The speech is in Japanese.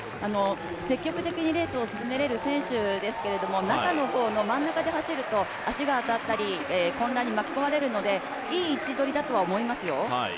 積極的にレースを進められる選手ですけれども、中の方の真ん中で走ると、足が当たったり混乱に巻き込まれるのでいい位置取りだとは思いますよ。